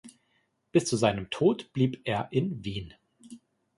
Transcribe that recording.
Bis zu seinem Tod blieb er in Wien.